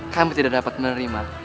kamu tidak dapat menerima